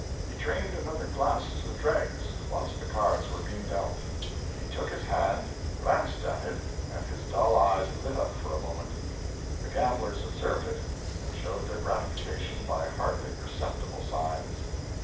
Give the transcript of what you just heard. He drained another glass to the dregs, whilst the cards were being dealt. He took his hand, glanced at it, and his dull eyes lit up for a moment. The gamblers observed it, and showed their gratification by hardly perceptible signs.